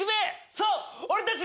そう俺たちが！